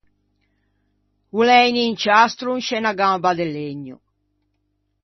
O l’é un inciastro in sce unna gamba de legno.